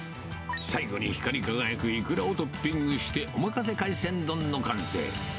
最後に光り輝くイクラをトッピングして、おまかせ海鮮丼の完成。